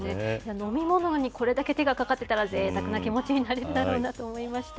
飲み物にこれだけ手がかかってたらぜいたくな気持ちになるんだろうなと思いました。